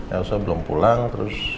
elsa belum pulang terus